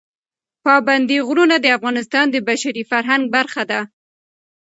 پابندی غرونه د افغانستان د بشري فرهنګ برخه ده.